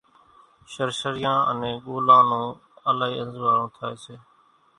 شرشريان انين ڳولان نون الائِي انزوئارون ٿائي سي۔